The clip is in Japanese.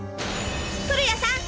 古谷さん！